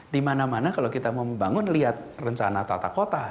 di mana mana kalau kita membangun lihat rencana tata kota